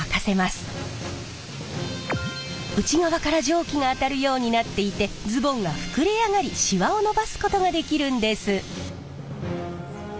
内側から蒸気があたるようになっていてズボンが膨れ上がりシワを伸ばすことができるんです。